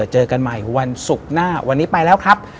เจอกันใหม่วันศุกร์หน้าวันนี้ไปแล้วครับ